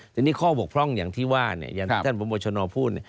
ทีนี้ข้อบกพร่องอย่างที่ว่าเนี่ยอย่างที่ท่านพบชนพูด